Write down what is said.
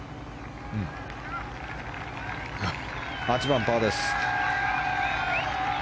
８番、パーです。